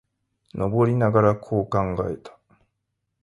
登りながら、こう考えた。